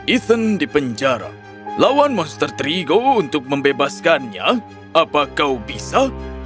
ethan di penjara lawan monster trigo untuk membebaskannya apa kau bisa